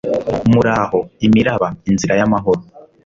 muraho, imiraba, inzira y'amahoro